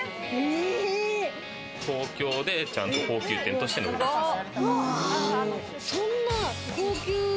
東京で、ちゃんと高級店としてのフレンチです。